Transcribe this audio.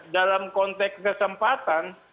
dalam konteks kesempatan